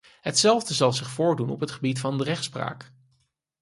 Hetzelfde zal zich voordoen op het gebied van de rechtspraak.